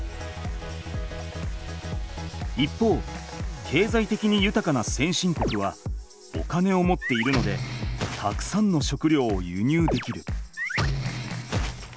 一方けいざいてきにゆたかな先進国はお金を持っているのでたくさんの食料を輸入できる。